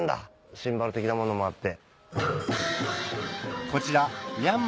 シンバル的なものもあって。